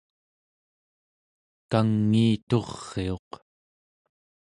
kangiituriuq